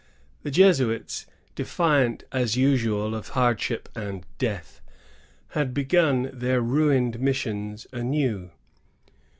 The Jesuits, defiant as usual of hard ship and death, had begun their ruined missions anew.